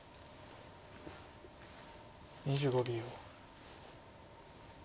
２５秒。